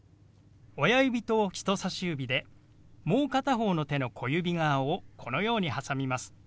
親指と人さし指でもう片方の手の小指側をこのようにはさみます。